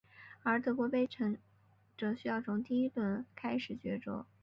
而德国杯则需要从第一轮开始角逐。